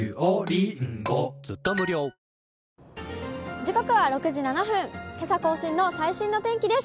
時刻は６時７分、けさ更新の最新の天気です。